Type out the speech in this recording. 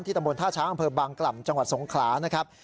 ตำบลท่าช้างอำเภอบางกล่ำจังหวัดสงขลานะครับ